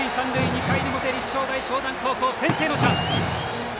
２回の表、立正大淞南高校先制のチャンス！